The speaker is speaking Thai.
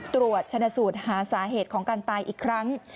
ตรวจชนะสูตรหาสาเหตุของการตายอีกครั้ง